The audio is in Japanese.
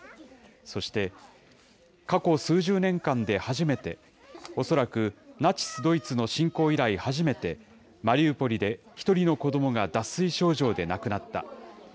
そして過去数十年間で初めて、恐らくナチス・ドイツの侵攻以来初めて、マリウポリで１人の子どもが脱水症状で亡くなった。